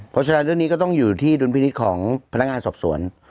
เพราะฉะนั้นเรื่องนี้ก็ต้องอยู่ที่ดุลพินิษฐ์ของพนักงานสอบสวน